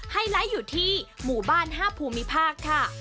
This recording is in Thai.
ไลท์อยู่ที่หมู่บ้าน๕ภูมิภาคค่ะ